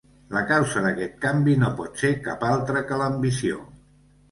La causa d'aquest canvi no pot ser cap altra que l'ambició.